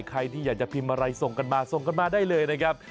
ใครที่อยากจะพิมพ์อะไรส่งกันมาส่งกันมาได้เลยนะครับ